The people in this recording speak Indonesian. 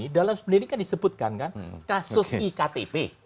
dalam sprendik ini kan disebutkan kan kasus iktp